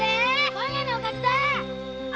今夜のおかずだァ！